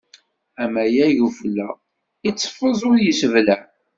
Amayeg ufella, iteffeẓ ur yesseblaɛ.